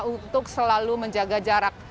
untuk selalu menjaga jarak